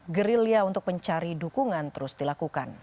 gerilya untuk mencari dukungan terus dilakukan